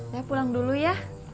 saya pulang dulu ya